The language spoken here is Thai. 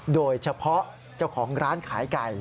โดยเฉพาะเจ้าของร้านขายไก่